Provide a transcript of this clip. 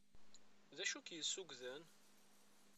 D acu k-yessugden?